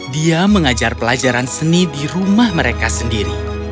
dia mengajar pelajaran seni di rumah mereka sendiri